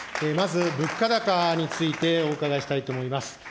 まず、物価高についてお伺いしたいと思います。